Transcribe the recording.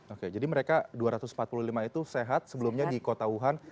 oke jadi mereka dua ratus empat puluh lima itu sehat sebelumnya di kota wuhan